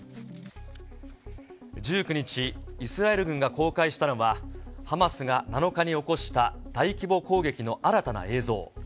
１９日、イスラエル軍が公開したのは、ハマスが７日に起こした大規模攻撃の新たな映像。